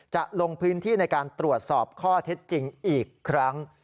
จะลงพื้นที่ในการตรวจสอบข้อเท็จจริงอีกครั้ง